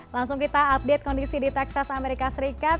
langsung kita update kondisi di texas amerika serikat